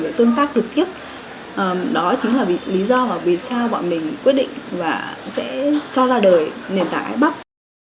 để tương tác trực tiếp đó chính là lý do và vì sao bọn mình quyết định và sẽ cho ra đời nền tảng ipap